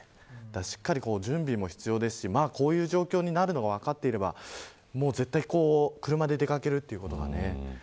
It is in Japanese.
しっかり準備も必要ですしこういう状況になるのが分かっていれば車で出掛けるということはね。